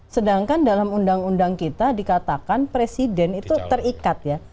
sedangkan dalam undang undang kita dikatakan presiden itu terikat ya